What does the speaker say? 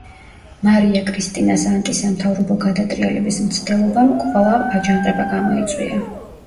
მარია კრისტინას ანტი სამთავრობო გადატრიალების მცდელობამ კვალვ აჯანყება გამოიწვია.